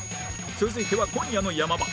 続いては今夜の山場